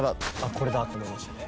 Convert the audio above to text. これだって思いましたね。